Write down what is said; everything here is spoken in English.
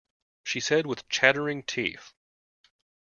She said with chattering teeth.